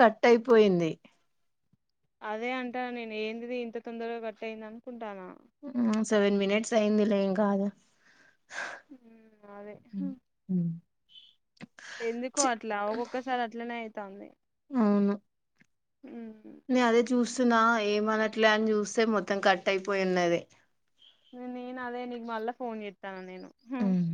కట్టయిపోయింది అదే అంటా నేను ఏందిదింత తొందరగా కట్టైంది అనుకుంటాను ఉహ్ సెవెన్ మినట్స్ అయిందిలే ఏంకాదు ఉహ్ అదే చి ఎందుకోట్లా ఒక్కొక్కసారి అట్లనే అయితాంది ఉమ్, నే అదే చూస్తున్నా ఏమనట్లే అని చూస్తే మొత్తం కట్ అయిపోయిన్నది నేను అదే నీకు మళ్ళా ఫోన్ చెత్తాను నేను మ్మ్.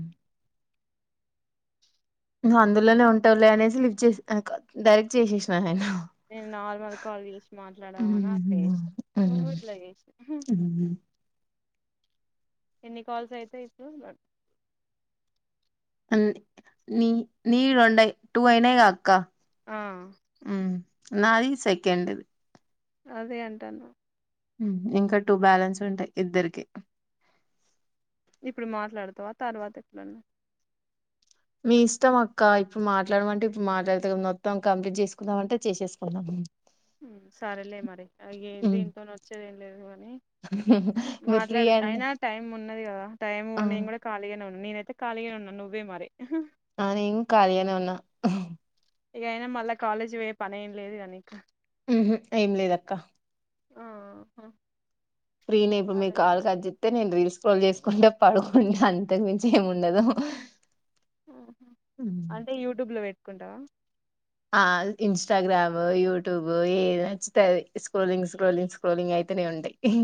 ఉన్ అందులోనే ఉంటావులే అనేసి లిఫ్ట్ చేసి ఆమె కాద్ డైరెక్ట్ చేశేషినా నేన్ నేను నార్మల్ కాల్ చేసి మాట్లాడదామన అట్లా మ్మ్. చేశా నువ్వు మ్మ్. ఇట్లా చేష మ్మ్. ఎన్ని కాల్స్ అయితాయి ఇప్పుడు బట్ అండ్ నీ నీ రొండై టూ అయినగా అక్క ఆ మ్మ్. నాది సెకండ్ ది అదే అంటాన్న మ్ ఇంకా టూ బ్యాలెన్స్ ఉంటాయి ఇద్దరికి ఇప్పుడు మాట్లాడుతావా తర్వాత ఎట్లున్నాయి మీ ఇష్టం అక్క ఇప్పుడు మాట్లాడమంటే ఇప్పుడు మాట్లాడత ఇగ మొత్తం కంప్లీట్ చేసుకుందాం అంటే చేసేసుకుందాం సరేలే మరి అ ఇగే మ్మ్. దీంతో వచ్చేది ఏం లేదు కాని మీరు ఫ్రీ మాట్లాడచ్చు అండి అయినా టైం ఉన్నది కదా టైం ఆ ఉన్నాగన్ కూడా ఖాళీగానే ఉ నేనైతే ఖాళీగానే ఉన్నా నువ్వే మరి నాన్ ఇంకా ఖాళగానే ఉన్నా ఇగయినా మళ్ళా కాలేజ్ పోయే పని ఏం లేదుగ నీకు హ్మ్ ఏం లేదక్క అ హ ఫ్రీ నే ఇప్పుడు మీ కాల్ కట్జెతే నేను రీల్స్ స్క్రోల్ చేసుకుంట పడుకుంట అంతకు మించి ఏమ్ ఉండదు అ హ ఉమ్. అంటే యూట్యూబ్ లో పెట్టుకుంటావా ఆ ఇన్స్టాగ్రామ్ యూట్యూబ్ ఏది నచ్చితే అది స్క్రోలింగ్ స్క్రోలింగ్ స్క్రోలింగ్ అయి వస్తూనే ఉంటయి ఇహి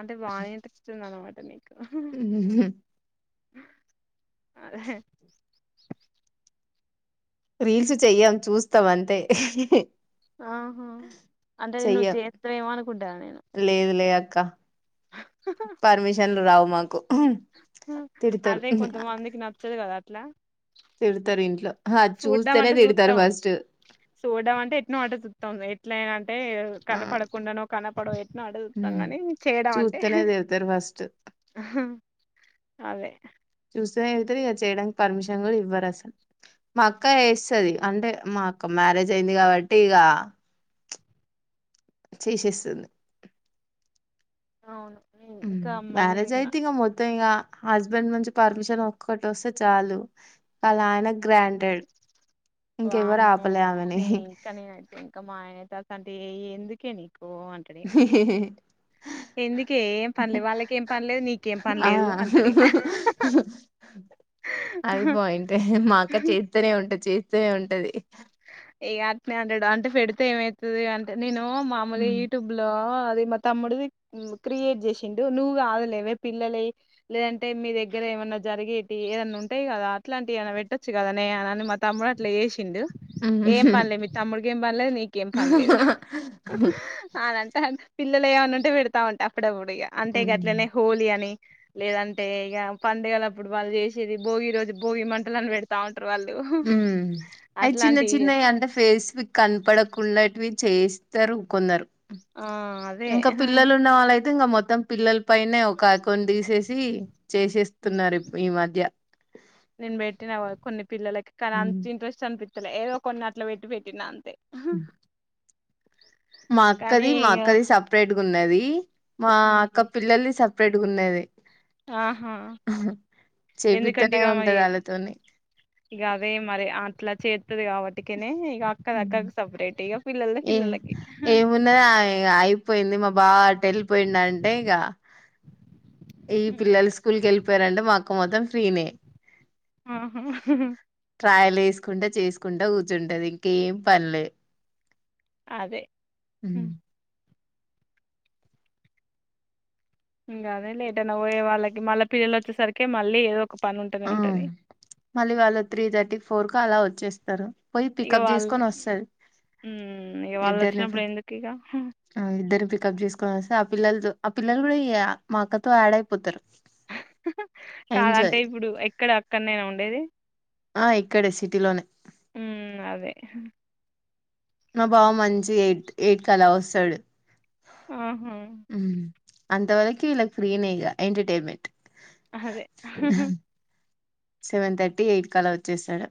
అంటే బానే ఇంట్రెస్ట్ ఉందనామాట నీకు ఉహు. ఆహే రీల్స్ చెయ్యం చూస్తాం అంతే ఆహా అంటే నువ్వు చెయ్యం చేతవ్ ఎమో అనుకుంటన్న నేను క పర్మిషన్లు రావు మాకు తిడతారు అదే కొంతమందికి నచ్చదు కదా అట్లా తిడతారూ ఇంట్లో అది సూడ్డం చూస్తేనే అంటే తిడతారు చూత్తం ఫస్ట్ సుడ్డం అంటే ఎట్నో అట చూత్తం ఎట్లయినా అంటే ఆ కనపడకుండానో కనపడో ఎట్నో అడుగుతాం ఉమ్. కానీ చేయడం అంటే చూస్తేనే తిడతారు ఫస్ట్ అహ్ అదే తన్ ఎల్తది కదా చేయడానికి పర్మిషన్ కూడా ఇవ్వరు అసలు మా అక్క వేస్తాది అంటే మా అక్క మ్యారేజ్ అయింది కాబట్టి ఇక చేసేస్తుంది అవును హ్మ్. ఉమ్ ఇంకా మ్యారేజ్ మొన్నిన్న అయితే ఇగ మొత్తం ఇంగా హస్బెండ్ నుంచి పర్మిషన్ ఒక్కట వస్తే చాలు వాలా ఆయన గ్రాంటెడ్ ఇంకెవరు వామ్మో ఆపలే ఆమెని ఇంకా నేనతే ఇంకా మా ఆయనతో అట్లాంటివి అంటే ఏ ఎందుకేని హ్మ్ హ్మ్ హె ఎందుకే ఏం పనిలేవ్ వాళ్ళక ఏం పనిలేదు నీకేం ఆ పనిలేదు అంటాడు ఇగ అది పోయింటే మా అక్క చేత్తానే ఉంటది చేస్తూనే ఉంటది ఇగ అట్నే అంటాడు అంటే పెడితే ఏమైతది అంటే నేను మామూలుగ ఉమ్. యూట్యూబ్ లో ఇది మా తమ్ముడిది మ్ క్రియేట్ చేసిండు నువ్వు కాదలేవే పిల్లలయి లేదంటే మీ దగ్గర ఏమన్నా జరిగేటివి ఏదన్నా ఉంటాయి కదా అట్లాంటివి ఏమనా పెట్టొచ్చు కదా నే అని మా తమ్ముడు అట్లా చేశిండు ఉమ్. ఏం పనిలేదు మీ తమ్ముడికి ఏం పనిలేదు నీకేం పనిలేదు అనంట పిల్లలువి ఏమన్న ఉంటే పెడతా ఉంట అప్పుడప్పుడు ఇగ అంటే ఉమ్. గట్లనే హోలీ అని లేదంటే ఇగ పండుగల అప్పుడు వాళ్ళు చేసేది భోగి రోజు భోగి మంటలను పెడతా ఉంట టారు వాళ్ళు హ్మ్ ఆ అయి చిన్న చిన్నవి అంటే ఫేస్ వీ కనపడకుండాటివి చేస్తారు కొందరు ఆ అదే హ ఇంగా మొత్తం పిల్లల్ పైనే ఒక అకౌంట్ తీసేసి చేసేస్తున్నారు ఇప్ ఈ మధ్య నేను పెట్టినా కొన్ని పిల్లలకి కానీ ఉమ్. అంత ఇంట్రెస్ట్ అనిపిత్తలే ఏదో కొన్ని అట్లో పెట్టి పెట్టినా అంతే మా కానీ అక్కది మా ఇగ అక్కది సెప్రటేగా ఉన్నది మా అక్క ఉమ్ పిల్లల్దీ సప్ సెపరేట్ గున్నేది ఆహా ఎందుకంటే చేపిత్తనే ఇగ మరి ఉంటది వాళ్ళతోని ఇగ అదే మరి అట్లా చెత్తది కాబట్టికనే ఇగ అక్క ది అక్క క్ సేపరేట్ ఇగ పిల్లల్ ఏ ఏమున్నా అయ్ అయిపోయింది మా బావ అట్ వెళ్ళిపోయిండు అంటే ఇగ ఈ పిల్లలు స్కూల్కి వెళ్ళిపోయారంటే మా అక్క మొత్తం ఫ్రీనే ఆహా ట్రాయలు వేసుకుంటా చేసుకుంటా కూర్చుంటది ఇంక ఏం పనిలే అదే ఉమ్. ఇంగ అదే లే ఎటన్న పోయేవాళ్ళకి మళ్ల పిల్లలు వొచ్చేసరికి మళ్ళీ ఏదో ఒక పని ఉంటనే ఆ ఉంటది మళ్ళీ వాళ్ళు త్రీ థర్టీ ఫోర్ కు అలా వచ్చేస్తారు పోయి ఇగ పికప్ వాళ్ళు చేసుకొని వస్తాది ఉమ్ ఇగ వాళ్ళు ఇద్దరని పి వచ్చినప్పుడు ఎందుకు ఇగ ఆ ఇద్దరని పి పికప్ చేసుకొని వస్తే ఆ పిల్లలతో ఆ పిల్లలు కూడా మా అక్కతో యాడ్ అయిపోతారు కాద అంటే ఎంజాయ్ ఇప్పుడు ఎక్కడ అక్కడ్నేనా ఉండేది ఆ ఇక్కడే సిటీలోనే హ్మ్. అదే. మా బావ మంచి ఎయిట్ ఎయిట్ క అలా వొస్తాడు ఆహా అంతవరకి ఇలాగ్ ఫ్రీనే ఇక ఎంటర్టైన్మెంట్ అదే సెవెన్ థర్టీ ఎయిట్ కలా వొచ్చేసాడు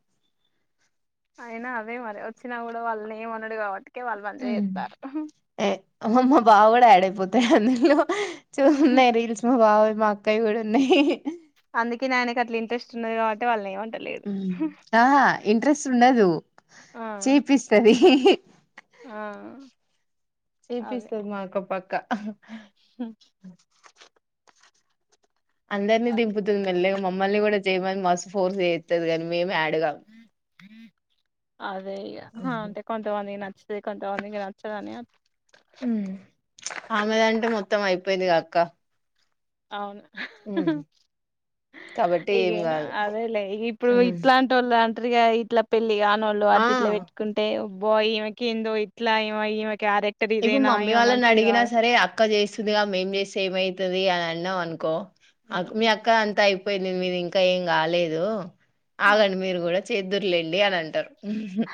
అయినా అదే మరి వచ్చినా గుడా వాళ్ళని ఏమనడు కాబట్టికే వాళ్ళు మంచిగా చేత్తాలు అమ్మ్ మ్మో మా బావ కూడా ఆడ్ పోతాయి అందులో చూస్తున్నాయి రీల్స్ మా బావ మా అక్కవి గూడ ఉన్నాయి అందుకేనే ఆయనకు అట్ల ఇంట్రెస్ట్ ఉన్నది కాబట్టి వాళ్ళని ఏమంట్ ఆహా ఇంట్రెస్ట్ ఉండదు ఆ! చేపిస్తది ఆ అదే. చేపిస్తది మా అక్క పక్క అందరినీ అదే. దింపుతుంది మెల్లగా మమ్మల్ని గుడా చేయమని మస్తు ఫోర్స్ చెత్తది గాని మేమే ఆడ్ గామ్ అదే ఇగ హ అంటే కొంతమందికి నచ్చుతది కొంతమందికి నచ్చదని ఆమెదంటే మొత్తం అయిపోయిందిగ అక్క అవును కాబట్టి ఇగ ఏం కాదు అదేలే ఇగ ఇప్పుడు ఇట్లాంటి వొళ్ళ అంట ట్రీ గా ఇట్లా పెళ్లి కానోళ్లు అటు ఆ ఇట్లా పెట్టుకుంటే అబ్బో ఈమెకి ఏందో ఇట్లా ఈమ ఈమె క్యారెక్టర్ ఇదేనా ఈమె మంచిది గాదు క్క చేస్తుందిగా మేం చేస్తే ఏమైతది అని అన్నావ్ అనుకో ఆ ఉమ్. మీ అక్క అంత పోయింది మీది ఇంకా ఏం గాలేదు ఉమ్. ఆగండి మీరు కూడా చేదుర్లేండి అని అంటారు ఉహు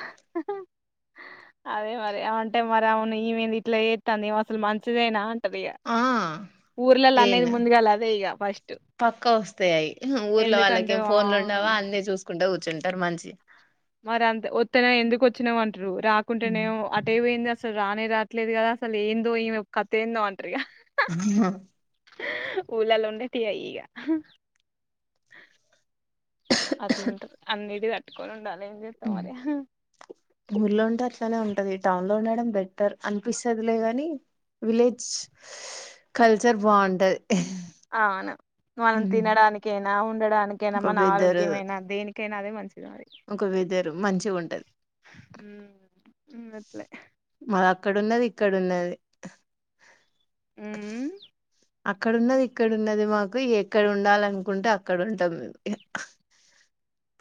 అదే మరి అ అంటే మరి అవును ఇమేంది ఇట్లా చేతంది ఈమె అసలు మంచిదేనా ఇగ ఆ ఊర్లల్ల అనేది ముందుగాల అదే ఇగ ఫస్ట్ పక్కా వస్తాయి అయి ఊర్లో ఎందుకంటే వాళ్ళకేం ఆ ఫోన్లు ఉండవా అన్నీ చూసుకుంట కూర్చుంటారు మంచి మరి అంతే వొత్తనే ఎందుకు వొచ్చినావ్ అంటరు హ్మ్. రాకుంటేనేమో ఆటే పోయింది అసల్ అసలు రానే రాట్లేదు కదా అసలు ఏందో ఇమే కథ ఏందో అ ఊలాలో ఉండే తి ఈగా అట్లుంటారు అన్నిటి తట్టుకొని ఉండాలి ఏం చేస్తాం మరి ఊర్లో ఉంటే అట్లనే ఉంటది టౌన్ లో ఉండడం బెటర్ అనిపిస్తుదిలే కానీ విలేజ్ కల్చర్ బావుంటది అవును మనం తినడానికైనా ఉండడానికైనా ఒక మన వెదరు ఆరోగ్యమేనా దేనికి కైనా అదే మంచి ఒక వేధేర్ మంచిగా ఉంటది ఉమ్, ఉమ్ అట్లే మావి అక్కడ ఉన్నది ఇక్కడ ఉన్నది ఉమ్ అక్కడున్నది ఇక్కడ ఉన్నది మాకు ఎక్కడ ఉండాలనుకుంటే అక్కడ ఉంటాం మేము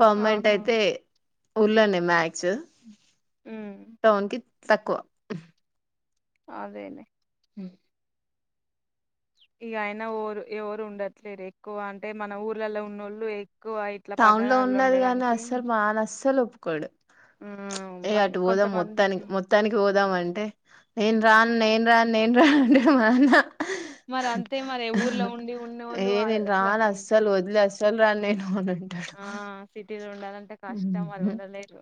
పర్మనెంట్ ఆహా అయితే ఊళ్ళోనే మ్యాక్స్ ఉమ్, టౌన్ కి తక్కువ అదేలే హ్మ్ ఇగ అయినా పోరు ఎవరు ఉండట్లేరు ఎక్కువ అంటే మన ఊర్లలో ఉన్నోళ్ళు ఇట్లా టౌన్ లో పట్టణాల్లో ఉన్నది కాని ఉండడానికి అస్సలు మాఆయన అస్సలు ఒప్పుకోడు ఉమ్, ఇగ మన్- అటు పోదాం కొంతమందికి మొత్తానికి మొత్తానికి పోదాం అంటే నేను రాన్ నేను రాన్ నేను రా అంట మాఆయనా మరి అంతే మరి ఊర్లో ఉండి ఏ ఉన్నోళ్ళు నేను అట్లా రాన్ అస్సలు వదిలేయ్ అస్ సల రాను నేను వాది ఆ సిటీలో ఉండాలంటే కష్టం ఆడ ఉండలేరు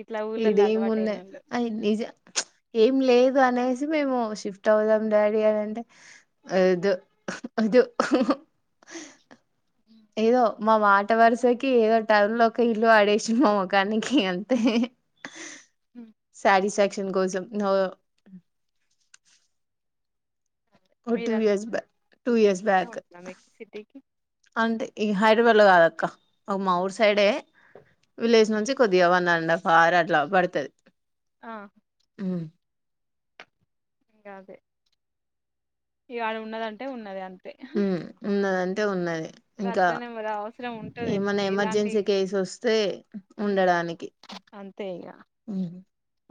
ఇట్లా ఐడా ఊళ్ళలో ఎం అలవాటు ఉన్నది అయినోళ్ళు అ నిజం ఏం లేదు అనే నీజం ఏమో షిఫట్ అవుదాం డాడీ అని అంటే ఆ వద్దూ వద్దు ఏదో మా మాట వరుసకి ఏదో టౌన్ లో ఒక ఇల్లు పడేసి మా ముకానికి అంతే సాటిస్ఫాక్షన్ కొసం ఓ టూ మీరంత ఇయర్స్ బ్యాక్ టూ ఇయర్స్ దగ్గరనే బ్యాక్ ఉంటున్నా మీకు సిటీకి అంటే ఈ హైదరాబాద్ లో కాదు అక్క మా ఊరు సైడే విలేజ్ నుంచి కొద్దిగా వన్ అండ్ హఫ్ ఆర్ అట్లా పడుతాది ఆ ఉమ్ గదే ఇవాళ ఉన్నదంటే ఉన్నది అం ఉమ్ ఉన్నది అంటే ఉన్నది ఇగ ఇంకా అట్లనే మరి అవసరం ఉంటది ఏమైనా ఇలాంటి ఎమర్జెన్సీ కేసు వస్తే ఉమ్, ఉండడానికి అంతే ఇగ ఉమ్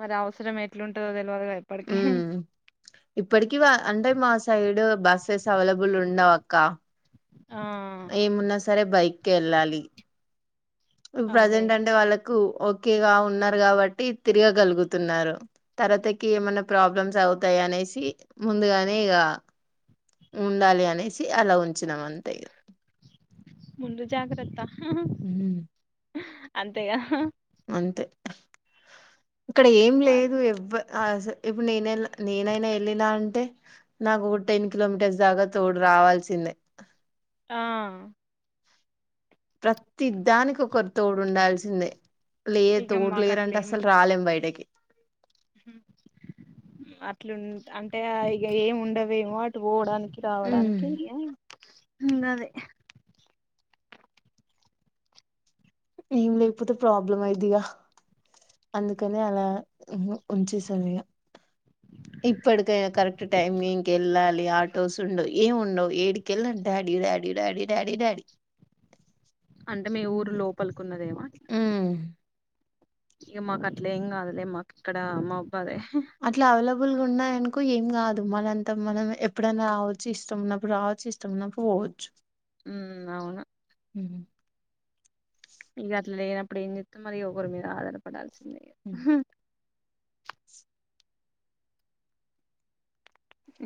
మరి అవసరం ఎట్లుంటుందో తెల్వ ఉమ్ ఇప్పటికి అంటే మాసైడు బస్సెస్ అవైలబుల్ ఉండవు అక్క ఆ సరే బైక్ కి వెళ్ళాలి అదే ప్రజెంట్ అంటే వాళ్ళకు ఓకేగా ఉన్నారు కాబట్టి తిరగగలుగుతున్నారు. తర్వాతికి ఏమైనా ప్రాబ్లమ్స్ అవుతాయా అనేసి ముందుగానే ఇగ ఉండాలి అనేసి అలా ఉంచినాం అంతే ముందు జాగ్రత్త ఉమ్ అంతేగా అంతే ఇక్కడ ఏం మరి. లేదు ఎవ్వ అహ్ స ఇపుడు నేనెల్ నేనైనా ఎళ్ళినా అంటే నాకు టెన్ కిలోమీటర్స్ దాకా తోడు రా కావల్సిందే ఆ ప్రతి ద్దానికొకరు తోడుండాల్సిందే లే ఇగ తోడు మాకు లేరంటే అస్సలు రాలేం బయటకి అట్లున్ అంటే అహ్ ఇగ ఏమి ఉండవేమో అటు పోవడానిక్ ఉమ్ రావడానికి యా గదే ఏం లేకపోతే ప్రాబ్లం అయిద్ధిగా అందుకని అలా ఉహు ఉంచేసాఇగా ఇప్పటికైన కరెక్ట్ టైమింగ్కి ఎళ్ళాలి ఆటోస్ ఉండవు. ఏమి ఉండవు ఏడికి ఎల్లిన daddy daddy daddy daddy daddy daddy అంటే మీ ఊరు లోపలికున్నదేమో ఉమ్ ఇగ మాకు అట్లేం గాదులే మాకు ఇక్కడ మౌబ్బదే వుల్ ఉన్నాయనుకో ఏం గాదు మనంతా మనం ఎప్పుడైనా రావచ్చు. ఇష్టమున్నప్పుడు రావచ్చు. ఇష్టమున్నప్పుడు పో వొచ్చు ఉమ్ అవున మ్ హు ఇంగ అట్ల లేనప్పుడు ఏంజెత్తం మరి ఒకరి మీద ఆధారపడాల్సి హ్మ్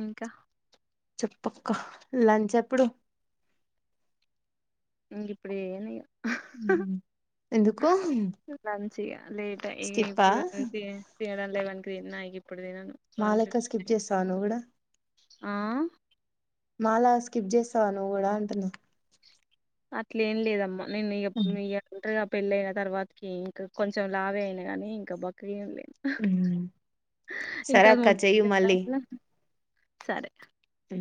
ఇంకా చెప్పక్క లంచ్ ఎప్పుడు ఇంగిప్పుడే ఏయను ఇగ ఉహు లంచిగా లేట్ అయ్ స్కిప్పా ఇగిప్పుడు తినడం లేవన్ క్ తిన్న ఇగి మా లెక్క స్కిప్ చేస్తావా నువ్ గూడా ఆ మాలాగ స్కిప్ చేస్తావా నువ్వు గూడా అంటున్న అట్లేం లేదమ్మా నేనిగ మియా వుంటరుగా పెళ్ళయిన తర్వాత్కి ఇంక కొంచెం లావే అయిన గానీ ఇంక బక్కగేమ్ లెన్ ఇంక సరే అక్క చెయ్యి మళ్ళీ [unintelligible] సరే ఉ